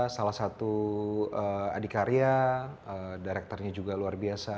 salah satu adik karya directornya juga luar biasa